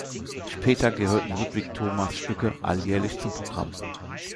Später gehörten Ludwig Thomas Stücke alljährlich zum Programm.